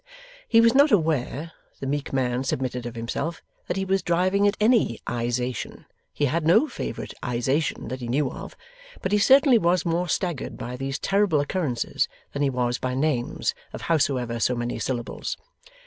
He was not aware (the meek man submitted of himself) that he was driving at any ization. He had no favourite ization that he knew of. But he certainly was more staggered by these terrible occurrences than he was by names, of howsoever so many syllables.